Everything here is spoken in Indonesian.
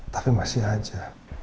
tapi masih aja